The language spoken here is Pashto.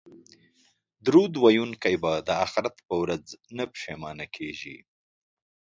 درود ویونکی به د اخرت په ورځ نه پښیمانه کیږي